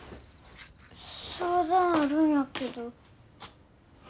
相談あるんやけど。